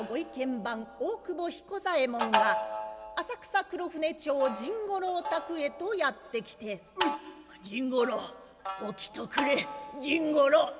番大久保彦左衛門が浅草黒船町甚五郎宅へとやって来て「甚五郎起きとくれ甚五郎！」。